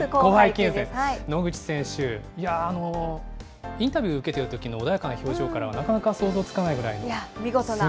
野口選手、インタビュー受けてるときの穏やかな表情からはなかなか想像つか見事な。